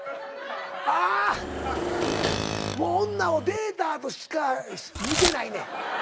あもう女をデータとしか見てないねん。